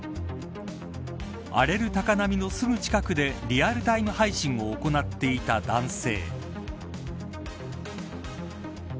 荒れる高波のすぐ近くでリアルタイム配信を行っていた男性。